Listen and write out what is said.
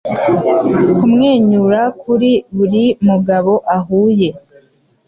kumwenyura kuri buri mugabo ahuye